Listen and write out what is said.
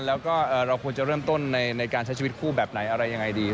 แล้วก็เราควรจะเริ่มต้นในการใช้ชีวิตคู่แบบไหนอะไรยังไงดี